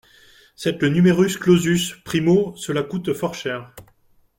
C’est le numerus clausus ! Primo, cela coûte fort cher.